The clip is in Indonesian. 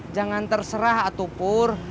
jangan terserah atupur